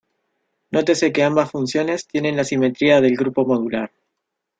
Nótese que ambas funciones tienen la simetría del grupo modular.